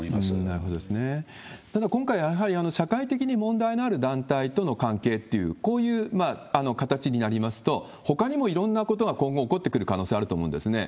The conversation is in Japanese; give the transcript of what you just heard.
ただ今回は、やはり社会的に問題のある団体との関係っていう、こういう形になりますと、ほかにもいろんなことが今後、起こってくる可能性あると思うんですね。